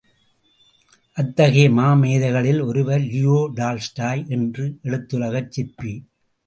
அத்தகைய மாமேதைகளில் ஒருவர் Leo Tolstoy என்ற எழுத்துலகச் சிற்பி.